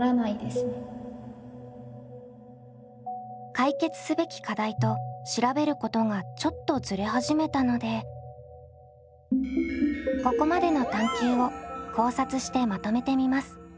解決すべき課題と調べることがちょっとずれ始めたのでここまでの探究を考察してまとめてみます。